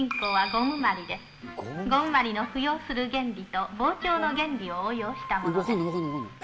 ゴムまりの浮揚する原理と膨張の原理を応用したものです。